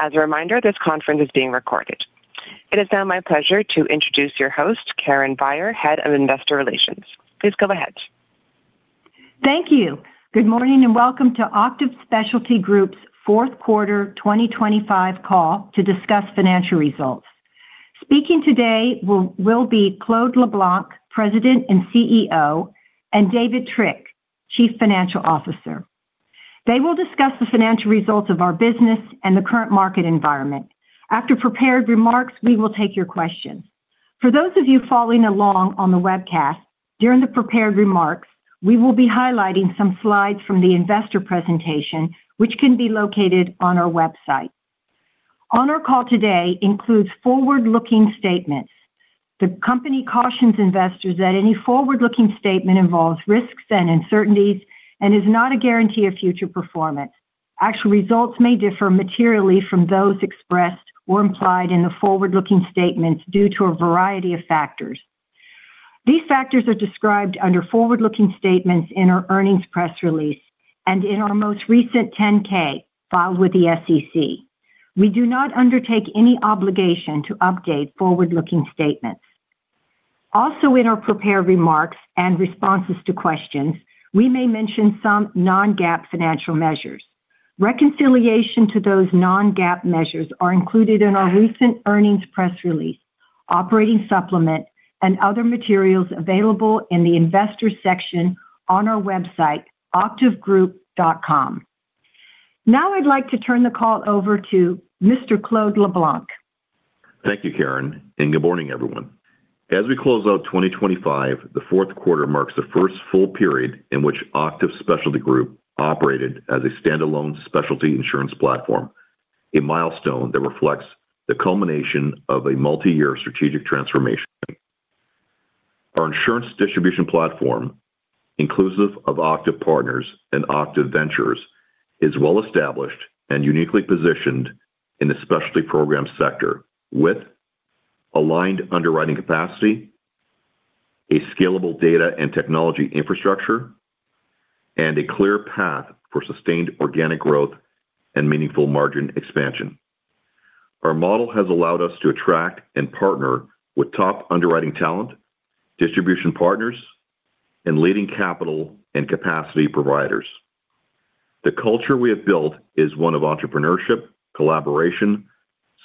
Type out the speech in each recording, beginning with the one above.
As a reminder, this conference is being recorded. It is now my pleasure to introduce your host, Karen Beyer, Head of Investor Relations. Please go ahead. Thank you. Good morning, welcome to Octave Specialty Group's fourth quarter 2025 call to discuss financial results. Speaking today will be Claude LeBlanc, President and CEO, and David Trick, Chief Financial Officer. They will discuss the financial results of our business and the current market environment. After prepared remarks, we will take your questions. For those of you following along on the webcast, during the prepared remarks, we will be highlighting some slides from the investor presentation, which can be located on our website. On our call today includes forward-looking statements. The company cautions investors that any forward-looking statement involves risks and uncertainties and is not a guarantee of future performance. Actual results may differ materially from those expressed or implied in the forward-looking statements due to a variety of factors. These factors are described under forward-looking statements in our earnings press release and in our most recent 10-K filed with the SEC. We do not undertake any obligation to update forward-looking statements. In our prepared remarks and responses to questions, we may mention some non-GAAP financial measures. Reconciliation to those non-GAAP measures are included in our recent earnings press release, operating supplement, and other materials available in the investors section on our website, octavegroup.com. I'd like to turn the call over to Mr. Claude LeBlanc. Thank you, Karen, and good morning, everyone. As we close out 2025, the fourth quarter marks the first full period in which Octave Specialty Group operated as a standalone specialty insurance platform, a milestone that reflects the culmination of a multi-year strategic transformation. Our insurance distribution platform, inclusive of Octave Partners and Octave Ventures, is well-established and uniquely positioned in the specialty program sector with aligned underwriting capacity, a scalable data and technology infrastructure, and a clear path for sustained organic growth and meaningful margin expansion. Our model has allowed us to attract and partner with top underwriting talent, distribution partners, and leading capital and capacity providers. The culture we have built is one of entrepreneurship, collaboration,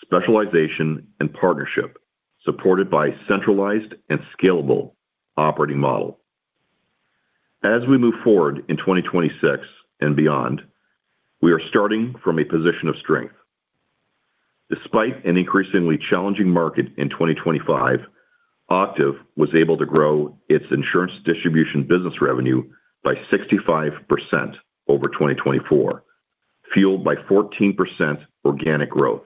specialization, and partnership, supported by centralized and scalable operating model. As we move forward in 2026 and beyond, we are starting from a position of strength. Despite an increasingly challenging market in 2025, Octave was able to grow its insurance distribution business revenue by 65% over 2024, fueled by 14% organic growth.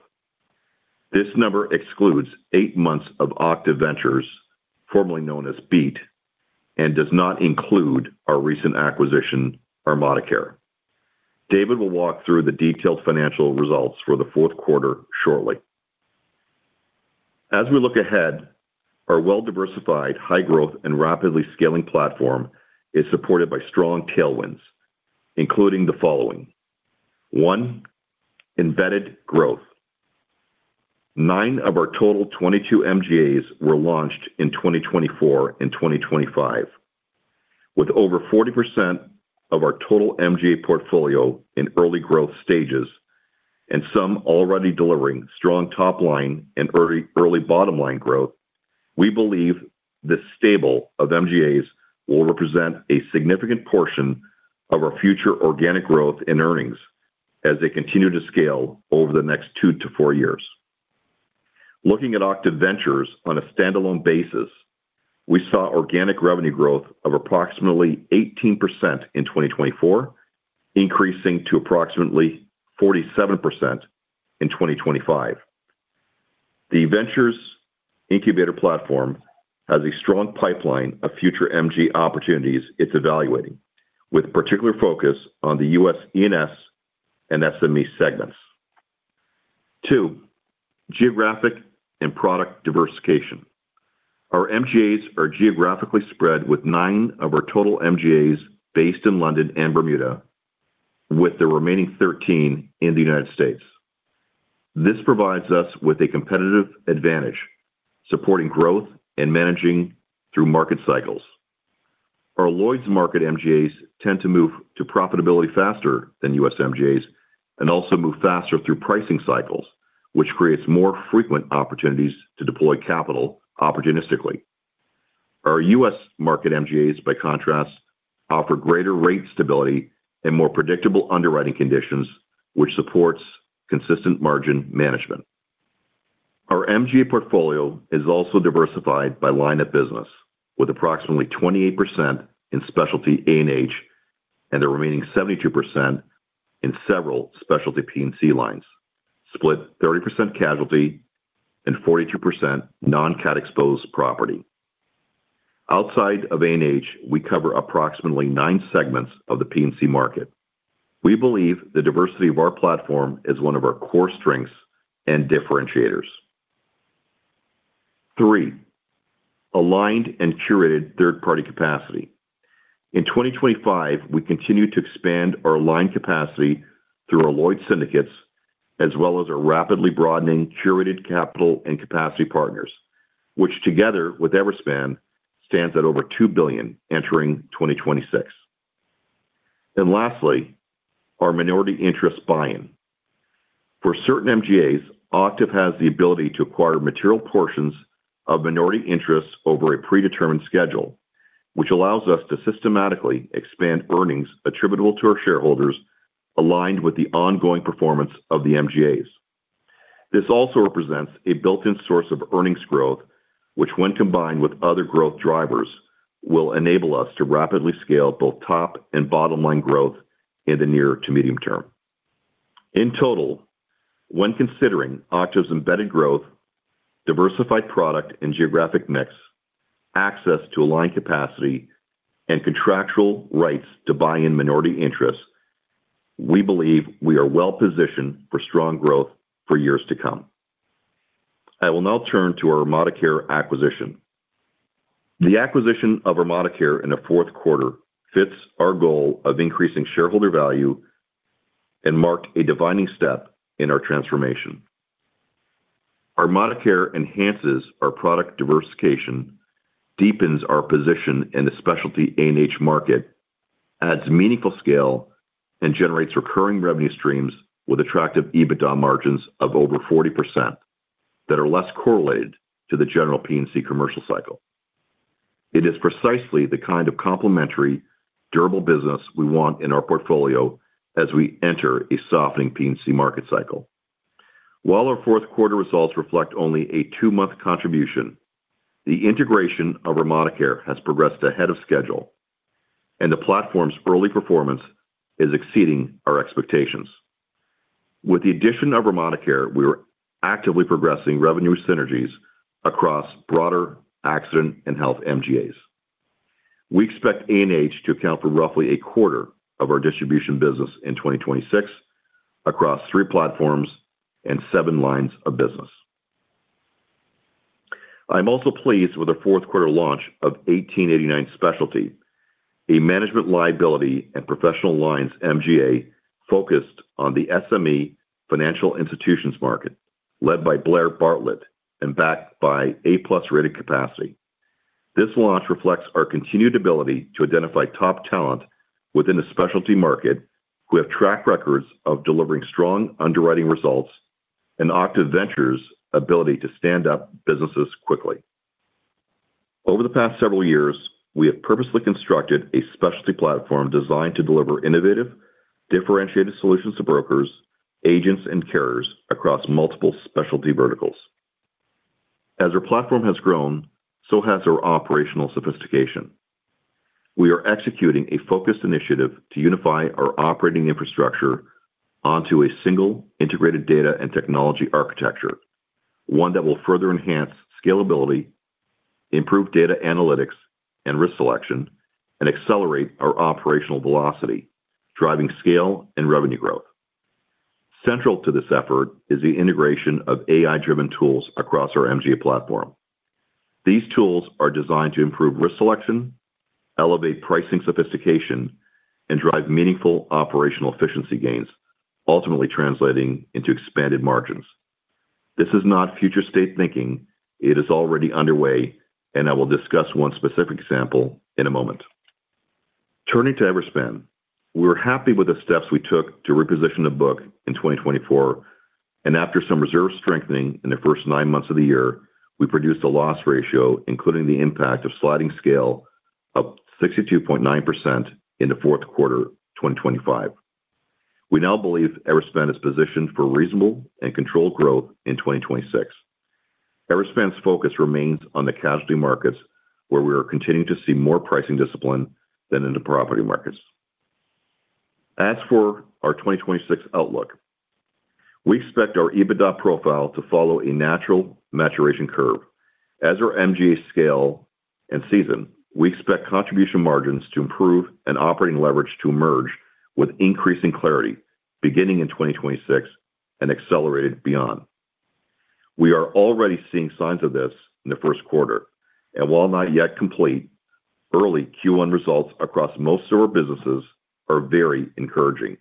This number excludes eight months of Octave Ventures, formerly known as Beat, and does not include our recent acquisition, ArmadaCare. David will walk through the detailed financial results for the fourth quarter shortly. As we look ahead, our well-diversified, high-growth, and rapidly scaling platform is supported by strong tailwinds, including the following: One, embedded growth. Nine of our total 22 MGAs were launched in 2024 and 2025, with over 40% of our total MGA portfolio in early growth stages and some already delivering strong top line and early bottom line growth. We believe this stable of MGAs will represent a significant portion of our future organic growth in earnings as they continue to scale over the next two to four years. Looking at Octave Ventures on a standalone basis, we saw organic revenue growth of approximately 18% in 2024, increasing to approximately 47% in 2025. The Ventures incubator platform has a strong pipeline of future MGA opportunities it's evaluating, with particular focus on the U.S. E&S and SME segments. Two, geographic and product diversification. Our MGAs are geographically spread, with nine of our total MGAs based in London and Bermuda, with the remaining 13 in the United States. This provides us with a competitive advantage, supporting growth and managing through market cycles. Our Lloyd's market MGAs tend to move to profitability faster than U.S. MGAs and also move faster through pricing cycles, which creates more frequent opportunities to deploy capital opportunistically. Our U.S. market MGAs, by contrast, offer greater rate stability and more predictable underwriting conditions, which supports consistent margin management. Our MGA portfolio is also diversified by line of business, with approximately 28% in specialty A&H, and the remaining 72% in several specialty P&C lines, split 30% Casualty and 42% non-cat exposed property. Outside of A&H, we cover approximately nine segments of the P&C market. We believe the diversity of our platform is one of our core strengths and differentiators. Three, aligned and curated third-party capacity. In 2025, we continued to expand our aligned capacity through our Lloyd's syndicates, as well as our rapidly broadening curated capital and capacity partners, which together with Everspan, stands at over $2 billion entering 2026. Lastly, our minority interest buy-in. For certain MGAs, Octave has the ability to acquire material portions of minority interests over a predetermined schedule, which allows us to systematically expand earnings attributable to our shareholders, aligned with the ongoing performance of the MGAs. This also represents a built-in source of earnings growth, which, when combined with other growth drivers, will enable us to rapidly scale both top and bottom-line growth in the near- to medium-term. In total, when considering Octave's embedded growth, diversified product and geographic mix, access to aligned capacity, and contractual rights to buy in minority interests, we believe we are well positioned for strong growth for years to come. I will now turn to our ArmadaCare acquisition. The acquisition of ArmadaCare in the fourth quarter fits our goal of increasing shareholder value and marked a defining step in our transformation. ArmadaCare enhances our product diversification, deepens our position in the specialty A&H market, adds meaningful scale, and generates recurring revenue streams with attractive EBITDA margins of over 40% that are less correlated to the general P&C commercial cycle. It is precisely the kind of complementary, durable business we want in our portfolio as we enter a softening P&C market cycle. While our fourth quarter results reflect only a two-month contribution, the integration of ArmadaCare has progressed ahead of schedule, and the platform's early performance is exceeding our expectations. With the addition of ArmadaCare, we are actively progressing revenue synergies across broader Accident and Health MGAs. We expect A&H to account for roughly a quarter of our distribution business in 2026 across three platforms and seven lines of business. I'm also pleased with the fourth quarter launch of 1889 Specialty, a management liability and professional lines MGA focused on the SME financial institutions market, led by Blair Bartlett and backed by A-plus rated capacity. This launch reflects our continued ability to identify top talent within the specialty market, who have track records of delivering strong underwriting results and Octave Ventures' ability to stand up businesses quickly. Over the past several years, we have purposely constructed a specialty platform designed to deliver innovative, differentiated solutions to brokers, agents, and carriers across multiple specialty verticals. As our platform has grown, so has our operational sophistication. We are executing a focused initiative to unify our operating infrastructure onto a single integrated data and technology architecture, one that will further enhance scalability, improve data analytics and risk selection, and accelerate our operational velocity, driving scale and revenue growth. Central to this effort is the integration of AI-driven tools across our MGA platform. These tools are designed to improve risk selection, elevate pricing sophistication, and drive meaningful operational efficiency gains, ultimately translating into expanded margins. This is not future state thinking. It is already underway, and I will discuss one specific example in a moment. Turning to Everspan, we were happy with the steps we took to reposition the book in 2024, and after some reserve strengthening in the first nine months of the year, we produced a loss ratio, including the impact of sliding scale of 62.9% in the fourth quarter 2025. We now believe Everspan is positioned for reasonable and controlled growth in 2026. Everspan's focus remains on the Casualty markets, where we are continuing to see more pricing discipline than in the property markets. As for our 2026 outlook, we expect our EBITDA profile to follow a natural maturation curve. As our MGA scale and season, we expect contribution margins to improve and operating leverage to emerge with increasing clarity beginning in 2026 and accelerated beyond. We are already seeing signs of this in the first quarter, and while not yet complete, early Q1 results across most of our businesses are very encouraging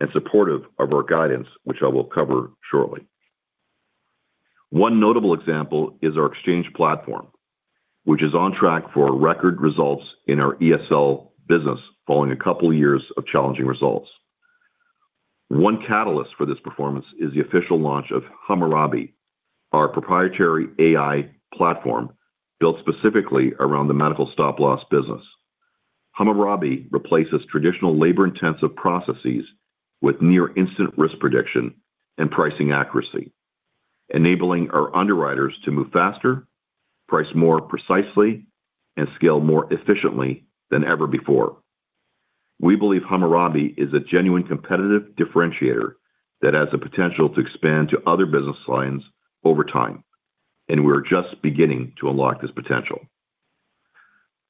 and supportive of our guidance, which I will cover shortly. One notable example is our exchange platform, which is on track for record results in our ESL business, following a couple of years of challenging results. One catalyst for this performance is the official launch of Hammurabi, our proprietary AI platform, built specifically around the medical stop-loss business. Hammurabi replaces traditional labor-intensive processes with near-instant risk prediction and pricing accuracy, enabling our underwriters to move faster, price more precisely, and scale more efficiently than ever before. We believe Hammurabi is a genuine competitive differentiator that has the potential to expand to other business lines over time, and we are just beginning to unlock this potential.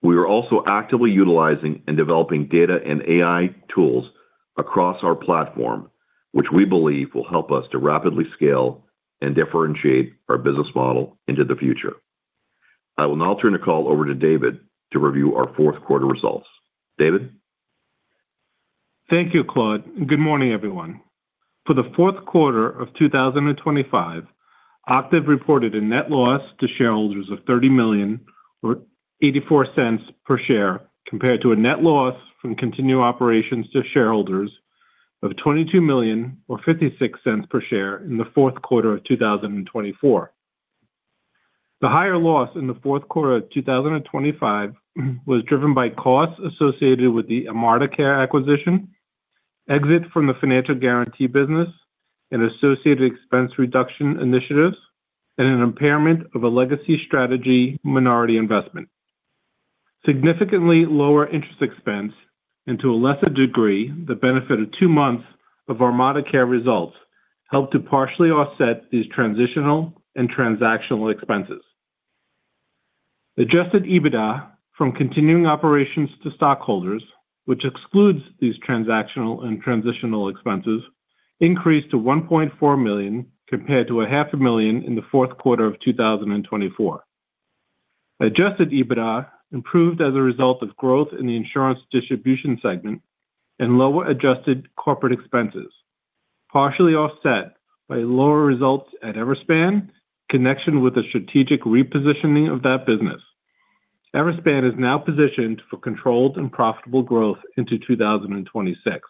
We are also actively utilizing and developing data and AI tools across our platform, which we believe will help us to rapidly scale and differentiate our business model into the future. I will now turn the call over to David to review our fourth quarter results. David? Thank you, Claude. Good morning, everyone. For the fourth quarter of 2025, Octave reported a net loss to shareholders of $30 million or $0.84 per share, compared to a net loss from continuing operations to shareholders of $22 million, or $0.56 per share in the fourth quarter of 2024. The higher loss in the fourth quarter of 2025 was driven by costs associated with the ArmadaCare acquisition, exit from the financial guarantee business and associated expense reduction initiatives, and an impairment of a legacy strategy minority investment. Significantly lower interest expense, and to a lesser degree, the benefit of two months of ArmadaCare results helped to partially offset these transitional and transactional expenses. Adjusted EBITDA from continuing operations to stockholders, which excludes these transactional and transitional expenses, increased to $1.4 million, compared to a $0.5 million in the fourth quarter of 2024. Adjusted EBITDA improved as a result of growth in the insurance distribution segment and lower adjusted corporate expenses, partially offset by lower results at Everspan, connection with the strategic repositioning of that business. Everspan is now positioned for controlled and profitable growth into 2026.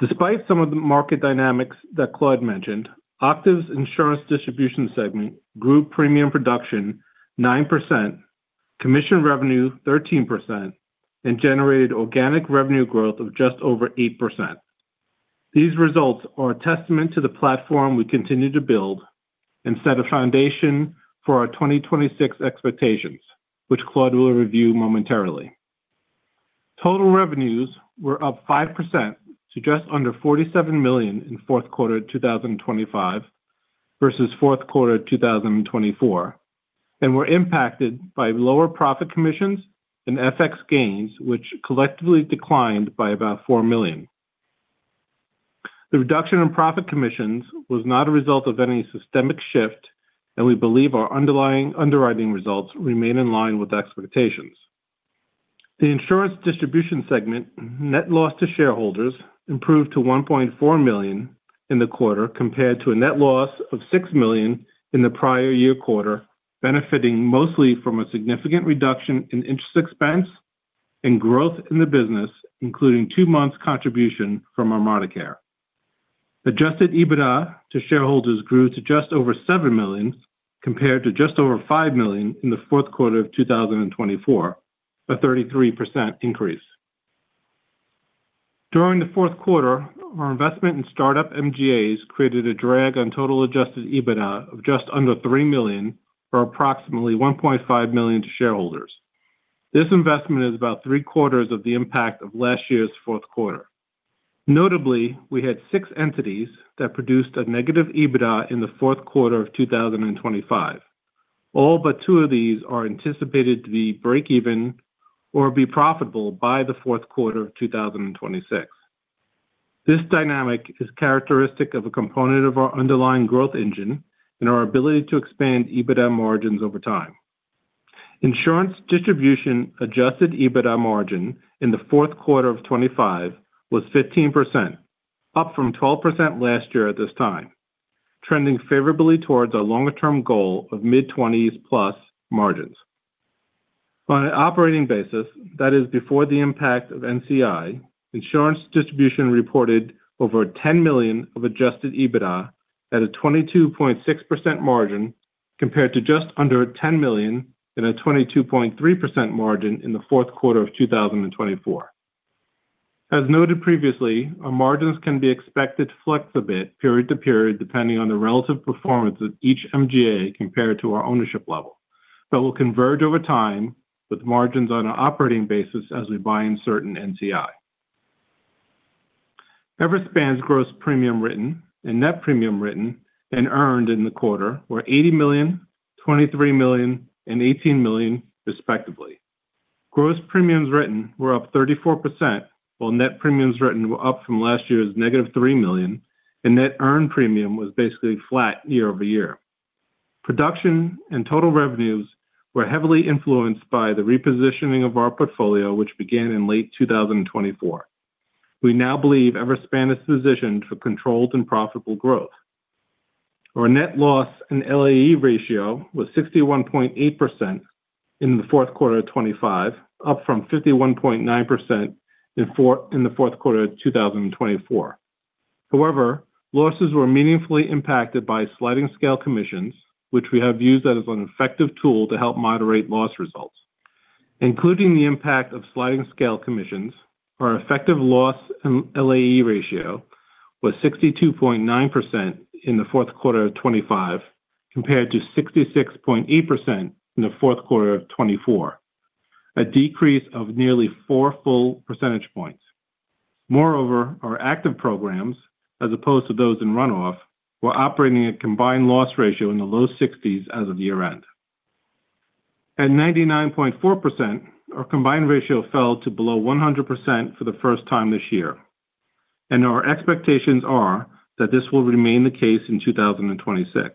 Despite some of the market dynamics that Claude mentioned, Octave's insurance distribution segment grew premium production 9%, commission revenue 13%, and generated organic revenue growth of just over 8%. These results are a testament to the platform we continue to build and set a foundation for our 2026 expectations, which Claude will review momentarily. Total revenues were up 5% to just under $47 million in fourth quarter 2025 versus fourth quarter 2024, and were impacted by lower profit commissions and FX gains, which collectively declined by about $4 million. The reduction in profit commissions was not a result of any systemic shift, and we believe our underlying underwriting results remain in line with expectations. The insurance distribution segment net loss to shareholders improved to $1.4 million in the quarter, compared to a net loss of $6 million in the prior year quarter, benefiting mostly from a significant reduction in interest expense and growth in the business, including two months contribution from ArmadaCare. Adjusted EBITDA to shareholders grew to just over $7 million, compared to just over $5 million in the fourth quarter of 2024, a 33% increase. During the fourth quarter, our investment in startup MGAs created a drag on total adjusted EBITDA of just under $3 million or approximately $1.5 million to shareholders. This investment is about three-quarters of the impact of last year's fourth quarter. Notably, we had six entities that produced a negative EBITDA in the fourth quarter of 2025. All but two of these are anticipated to be break even or be profitable by the fourth quarter of 2026. This dynamic is characteristic of a component of our underlying growth engine and our ability to expand EBITDA margins over time. Insurance distribution adjusted EBITDA margin in the fourth quarter of 2025 was 15%, up from 12% last year at this time, trending favorably towards our longer-term goal of mid-20s plus margins. On an operating basis, that is, before the impact of NCI, insurance distribution reported over $10 million of adjusted EBITDA at a 22.6% margin, compared to just under $10 million in a 22.3% margin in the fourth quarter of 2024. As noted previously, our margins can be expected to flex a bit period to period, depending on the relative performance of each MGA compared to our ownership level, but will converge over time with margins on an operating basis as we buy in certain NCI. Everspan's gross premium written and net premium written and earned in the quarter were $80 million, $23 million, and $18 million respectively. Gross premiums written were up 34%, while net premiums written were up from last year's -$3 million, and net earned premium was basically flat year-over-year. Production and total revenues were heavily influenced by the repositioning of our portfolio, which began in late 2024. We now believe Everspan is positioned for controlled and profitable growth. Our net loss and LAE ratio was 61.8% in the fourth quarter of 2025, up from 51.9% in the fourth quarter of 2024. However, losses were meaningfully impacted by sliding scale commissions, which we have used as an effective tool to help moderate loss results. Including the impact of sliding scale commissions, our effective loss in LAE ratio was 62.9% in the fourth quarter of 2025, compared to 66.8% in the fourth quarter of 2024. A decrease of nearly 4 full percentage points. Moreover, our active programs, as opposed to those in runoff, were operating a combined loss ratio in the low 60s as of year-end. At 99.4%, our combined ratio fell to below 100% for the first time this year, our expectations are that this will remain the case in 2026.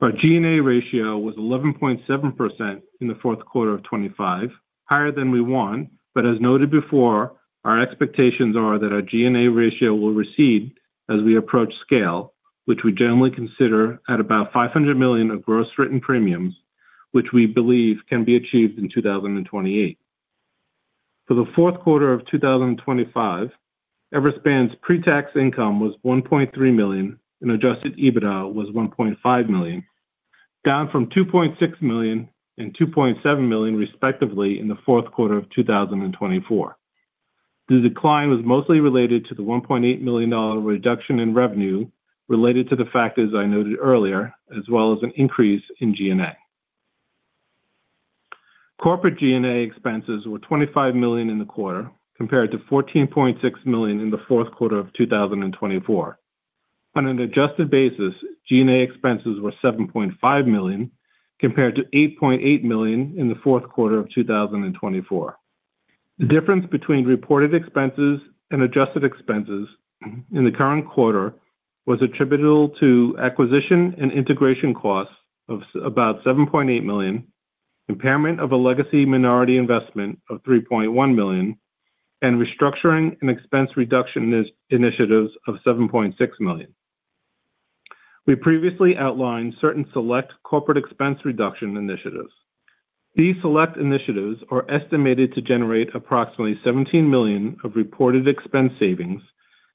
Our G&A ratio was 11.7% in the fourth quarter of 2025, higher than we want, but as noted before, our expectations are that our G&A ratio will recede as we approach scale, which we generally consider at about $500 million of gross written premiums, which we believe can be achieved in 2028. For the fourth quarter of 2025, Everspan's pre-tax income was $1.3 million, and adjusted EBITDA was $1.5 million, down from $2.6 million and $2.7 million, respectively, in the fourth quarter of 2024. The decline was mostly related to the $1.8 million reduction in revenue related to the factors I noted earlier, as well as an increase in G&A. Corporate G&A expenses were $25 million in the quarter, compared to $14.6 million in the fourth quarter of 2024. On an adjusted basis, G&A expenses were $7.5 million, compared to $8.8 million in the fourth quarter of 2024. The difference between reported expenses and adjusted expenses in the current quarter was attributable to acquisition and integration costs of about $7.8 million, impairment of a legacy minority investment of $3.1 million, and restructuring and expense reduction initiatives of $7.6 million. We previously outlined certain select corporate expense reduction initiatives. These select initiatives are estimated to generate approximately $17 million of reported expense savings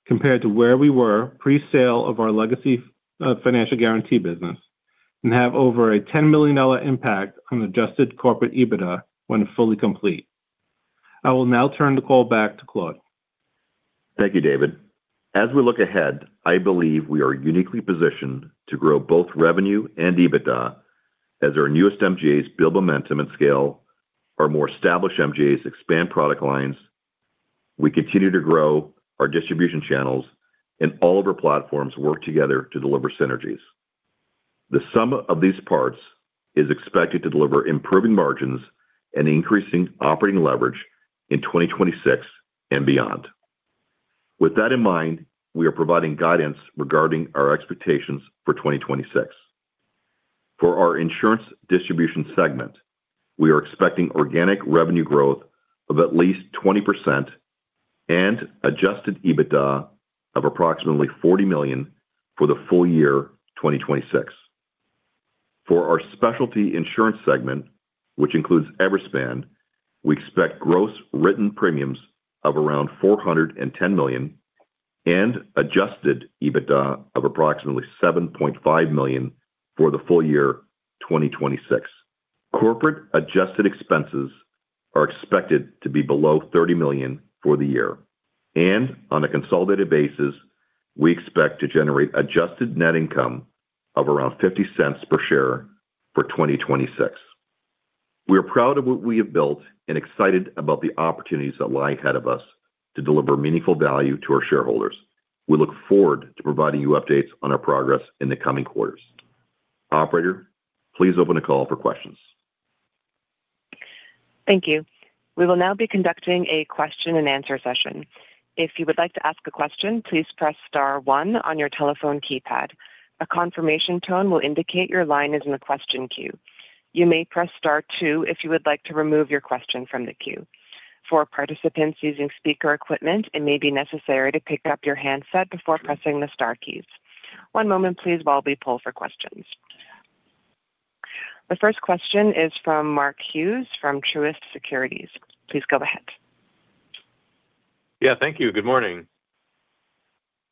compared to where we were pre-sale of our legacy financial guarantee business, and have over a $10 million impact on adjusted corporate EBITDA when fully complete. I will now turn the call back to Claude. Thank you, David. As we look ahead, I believe we are uniquely positioned to grow both revenue and EBITDA as our newest MGAs build momentum and scale, our more established MGAs expand product lines, we continue to grow our distribution channels, and all of our platforms work together to deliver synergies. The sum of these parts is expected to deliver improving margins and increasing operating leverage in 2026 and beyond. With that in mind, we are providing guidance regarding our expectations for 2026. For our insurance distribution segment, we are expecting organic revenue growth of at least 20% and adjusted EBITDA of approximately $40 million for the full year 2026. For our specialty insurance segment, which includes Everspan, we expect gross written premiums of around $410 million and adjusted EBITDA of approximately $7.5 million for the full year 2026. Corporate adjusted expenses are expected to be below $30 million for the year. On a consolidated basis, we expect to generate adjusted net income of around $0.50 per share for 2026. We are proud of what we have built and excited about the opportunities that lie ahead of us to deliver meaningful value to our shareholders. We look forward to providing you updates on our progress in the coming quarters. Operator, please open the call for questions. Thank you. We will now be conducting a question-and-answer session. If you would like to ask a question, please press star one on your telephone keypad. A confirmation tone will indicate your line is in the question queue. You may press star two if you would like to remove your question from the queue. For participants using speaker equipment, it may be necessary to pick up your handset before pressing the star keys. One moment, please, while we pull for questions. The first question is from Mark Hughes from Truist Securities. Please go ahead. Yeah, thank you. Good morning.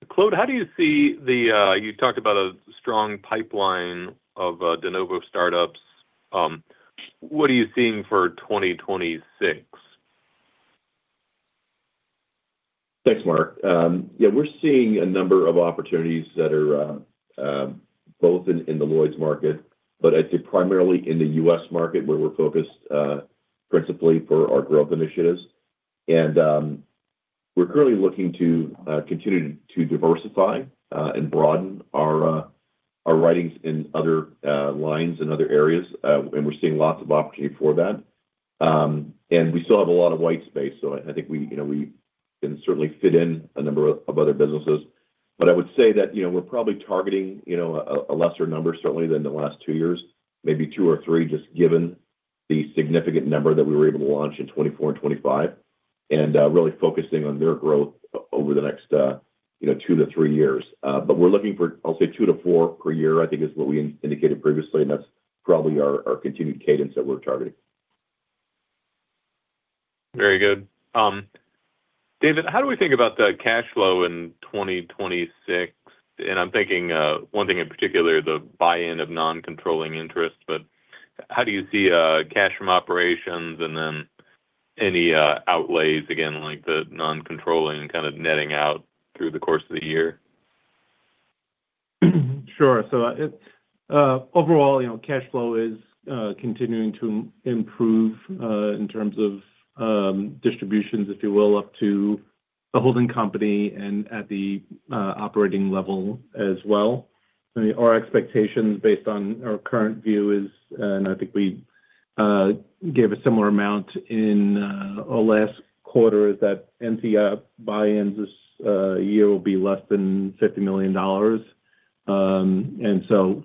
Claude. You talked about a strong pipeline of de novo startups. What are you seeing for 2026? Thanks, Mark. We're seeing a number of opportunities that are both in the Lloyd's market, but I'd say primarily in the U.S. market, where we're focused principally for our growth initiatives. We're currently looking to continue to diversify and broaden our writings in other lines and other areas, and we're seeing lots of opportunity for that. We still have a lot of white space, so I think we, you know, we can certainly fit in a number of other businesses. I would say that, you know, we're probably targeting, you know, a lesser number certainly than the last two years, maybe two or three, just given the significant number that we were able to launch in 2024 and 2025, and really focusing on their growth over the next, you know, two to three years. We're looking for, I'll say two to four per year, I think is what we indicated previously, and that's probably our continued cadence that we're targeting. Very good. David, how do we think about the cash flow in 2026? I'm thinking one thing in particular, the buy-in of non-controlling interest. How do you see cash from operations and then any outlays, again, like the non-controlling kind of netting out through the course of the year? Sure. It, overall, you know, cash flow is continuing to improve, in terms of, distributions, if you will, up to the holding company and at the operating level as well. Our expectations, based on our current view, is, and I think we, gave a similar amount in, our last quarter, is that NCF buy-ins this year will be less than $50 million.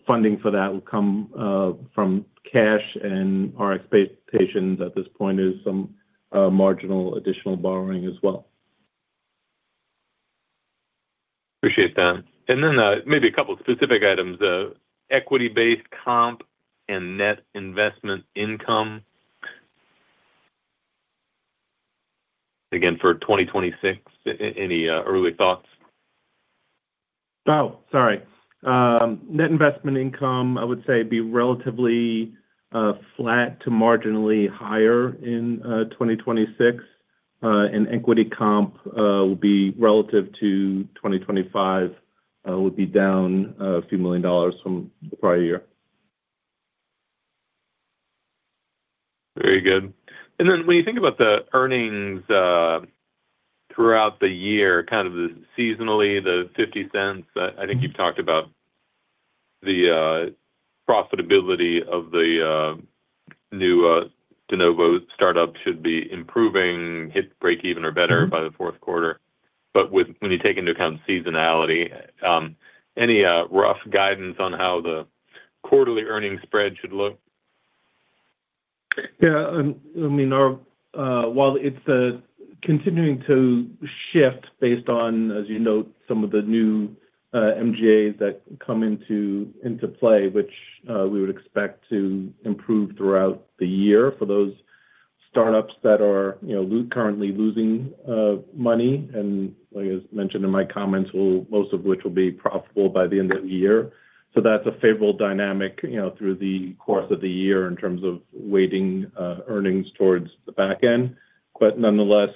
Funding for that will come, from cash, and our expectations at this point is some marginal additional borrowing as well. Appreciate that. Then, maybe a couple of specific items. Equity-based comp and net investment income. Again, for 2026, any early thoughts? Oh, sorry. Net investment income, I would say be relatively flat to marginally higher in 2026. Equity comp will be relative to 2025, will be down a few million dollars from the prior year. Very good. When you think about the earnings throughout the year, kind of the seasonally, the $0.50, I think you've talked about the profitability of the new de novo startup should be improving, hit break even or better by the fourth quarter. When you take into account seasonality, any rough guidance on how the quarterly earnings spread should look? I mean, our... While it's continuing to shift based on, as you note, some of the new MGAs that come into play, which we would expect to improve throughout the year for those startups that are, you know, currently losing money. Like I mentioned in my comments, most of which will be profitable by the end of the year. That's a favorable dynamic, you know, through the course of the year in terms of weighting earnings towards the back end. Nonetheless,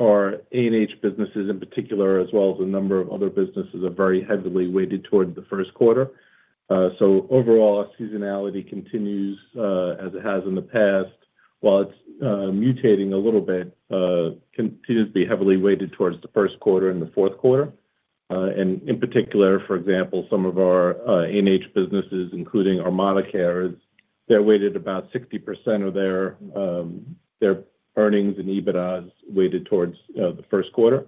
our A&H businesses in particular, as well as a number of other businesses, are very heavily weighted toward the first quarter. Overall seasonality continues as it has in the past. While it's mutating a little bit, continues to be heavily weighted towards the first quarter and the fourth quarter. In particular, for example, some of our A&H businesses, including ArmadaCare, they're weighted about 60% of their earnings and EBITDAs weighted towards the first quarter.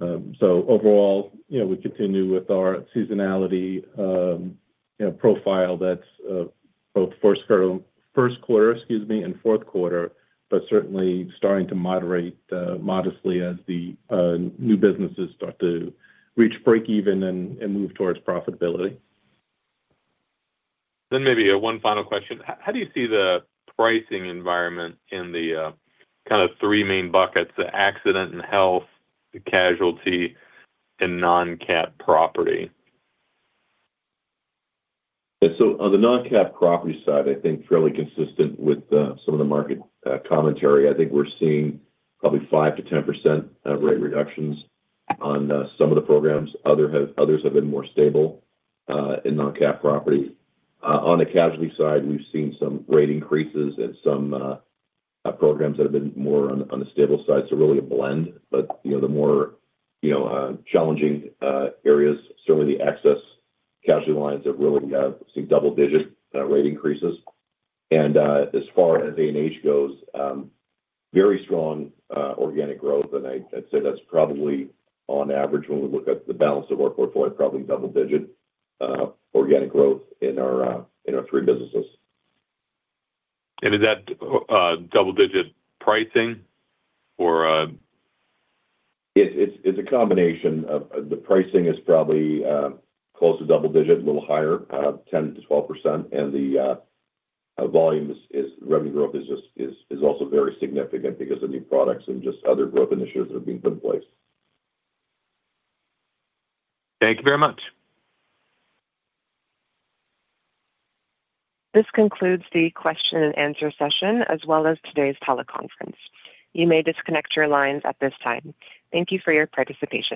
Overall, you know, we continue with our seasonality, you know, profile that's both first quarter, excuse me, and fourth quarter, but certainly starting to moderate modestly as the new businesses start to reach break even and move towards profitability. Maybe, one final question. How do you see the pricing environment in the kind of three main buckets, the Accident and Health, the Casualty, and non-cat Property? On the non-cat property side, I think fairly consistent with some of the market commentary. I think we're seeing probably 5%-10% of rate reductions on some of the programs. Others have been more stable in non-cat property. On the Casualty side, we've seen some rate increases and some programs that have been more on the stable side, so really a blend. You know, the more, you know, challenging areas, certainly the excess Casualty lines have really seen double-digit rate increases. As far as A&H goes, very strong organic growth, and I'd say that's probably on average, when we look at the balance of our portfolio, probably double-digit organic growth in our three businesses. Is that double digit pricing or? It's a combination of. The pricing is probably close to double-digit, a little higher, 10%-12%. The volume is revenue growth is just also very significant because of new products and just other growth initiatives that are being put in place. Thank you very much. This concludes the question and answer session, as well as today's teleconference. You may disconnect your lines at this time. Thank you for your participation.